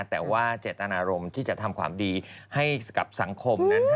แต่ว่าเจตนารมณ์ที่จะทำความดีให้กับสังคมนั้น